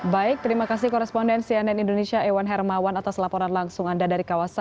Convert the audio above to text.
baik terima kasih korespondensi ann indonesia iwan hermawan atas laporan langsung anda dari kawasan